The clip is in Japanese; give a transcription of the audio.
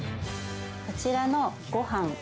こちらのご飯